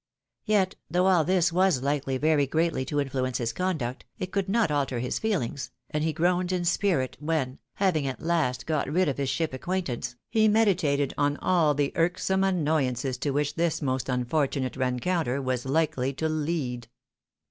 Yet, though all this was likely very greatly to influence his conduct, it could not alter his feehngs, and he groaned in spirit when, having at last got rid of his ship A SATISFACTORY LOVE ATFAIR. 251 acquaintance, he meditated on all the irksome annoyances to which this most unfortunate re encounter was likely to lead.